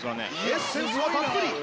エッセンスはたっぷり！